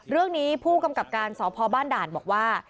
เรื่องนี้ผู้กำกับการสพบ้านด่านบอกว่า